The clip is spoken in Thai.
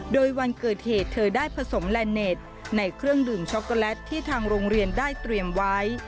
โดยวันเกิดเหตุเธอได้ผสมแลนดเน็ตในเครื่องดื่มช็อกโกแลตที่ทางโรงเรียนได้เตรียมไว้